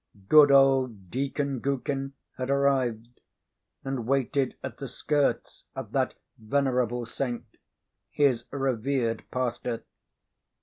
Good old Deacon Gookin had arrived, and waited at the skirts of that venerable saint, his revered pastor.